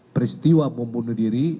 peristiwa bom bunuh diri